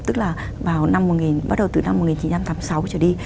tức là vào năm một nghìn bắt đầu từ năm một nghìn chín trăm tám mươi sáu trở đi